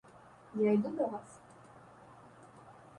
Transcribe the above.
Я іду да вас.